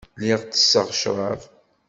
Lliɣ tesseɣ ccrab.